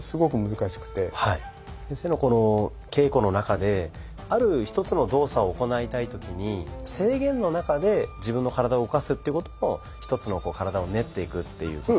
先生のこの稽古の中である一つの動作を行いたい時に制限の中で自分の体を動かすっていうことも一つの体を練っていくっていうことに。